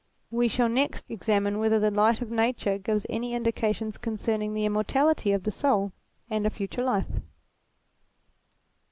We shall next examine whether the light of nature gives any indications concerning the immortality of the soul, and a future life.